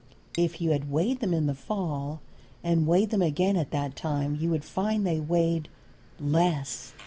If you had weighed them in the fall, and weighed them again at that time you would find they weighed less.